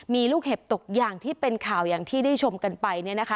มีลูกเห็บตกอย่างที่เป็นข่าวอย่างที่ได้ชมกันไป